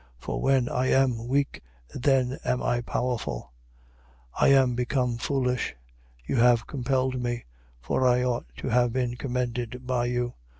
For when I am weak, then am I powerful. 12:11. I am become foolish. You have compelled me: for I ought to have been commended by you.